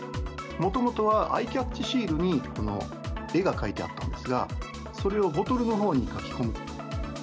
もともとはアイキャッチシールにこの絵が書いてあったんですが、それをボトルのほうに書き込む。